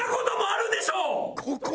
ここ？